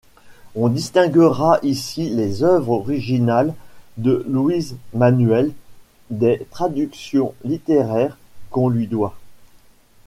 On distinguera ici les œuvres originales de Luiz-Manuel des traductions littéraires qu'on lui doit.